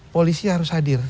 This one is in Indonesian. polisi harus hadir